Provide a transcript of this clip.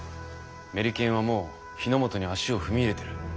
メリケンはもう日の本に足を踏み入れてる。